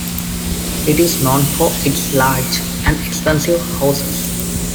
It is known for its large and expensive houses.